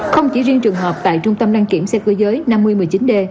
không chỉ riêng trường hợp tại trung tâm đăng kiểm xe cơ giới năm mươi một mươi chín d